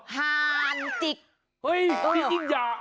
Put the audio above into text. หาาานจิ๊บ